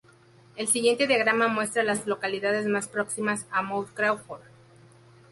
El siguiente diagrama muestra a las localidades más próximas a Mount Crawford.